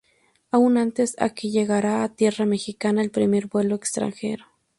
Aun antes a que llegara a tierra mexicana el primer vuelo extranjero.